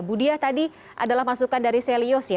budia tadi adalah masukan dari selius ya